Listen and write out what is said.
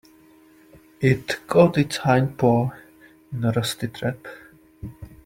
It caught its hind paw in a rusty trap.